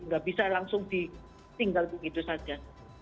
nggak bisa langsung ditinggal begitu saja